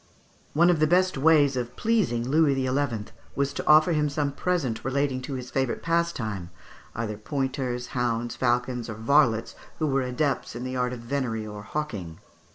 One of the best ways of pleasing Louis XI. was to offer him some present relating to his favourite pastime, either pointers, hounds, falcons, or varlets who were adepts in the art of venery or hawking (Figs.